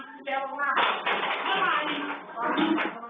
ก็ได้บริมาณที่ต้องโทษชอบกับพวกต่อคุ้ม